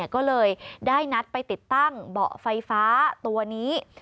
ก็เลยได้นัดไปติดตั้งเบาะไฟฟ้าตัวนี้